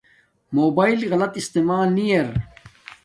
موباݷل غلط استعمال نی ار